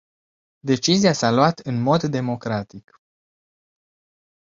Decizia s-a luat în mod democratic.